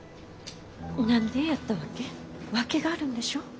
何でやったわけ？訳があるんでしょ？